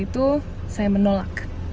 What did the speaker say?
itu saya menolak